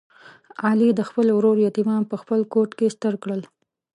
علي د خپل ورور یتیمان په خپل کوت کې ستر کړل.